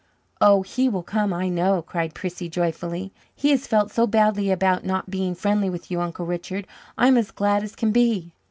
"Oh, he will come, I know!" cried Prissy joyfully. "He has felt so badly about not being friendly with you, Uncle Richard. I'm as glad as can be."